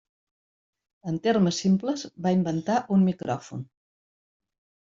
En termes simples, va inventar un micròfon.